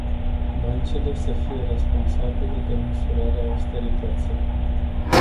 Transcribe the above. Băncile să fie responsabile de măsurarea austerității!